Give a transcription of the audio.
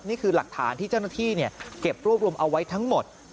นี่คือหลักฐานที่เจ้าหน้าที่เก็บรวบรวมเอาไว้ทั้งหมด